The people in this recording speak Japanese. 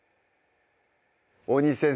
大西先生